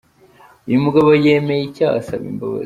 Uyu mugabo yemeye icyaha, asaba imbabazi.